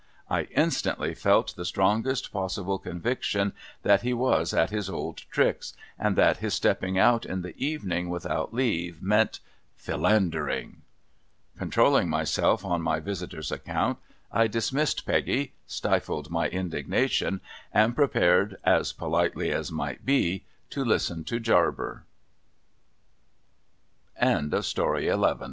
I instantly felt the strongest possible conviction that he was at his old tricks : and that his stepping out in the evening, without leave, meant — Philandering. Controlling myself on my visitor's account, I dismissed Peggy, stifled my indignation, and prepared, as politely as might be, to liste